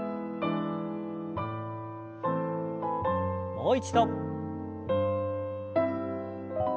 もう一度。